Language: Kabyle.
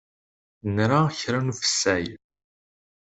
Nra kra n ufessay.